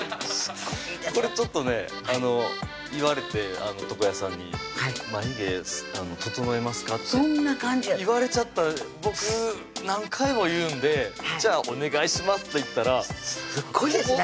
これちょっとねあの言われて床屋さんに「眉毛整えますか？」ってそんな感じ言われちゃった僕何回も言うんで「じゃあお願いします」と言ったらすっごいですね！